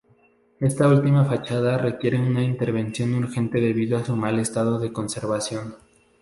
Esta última fachada requiere una intervención urgente debido a su mal estado de conservación.